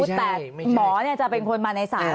แต่หมอจะเป็นคนมาในศาล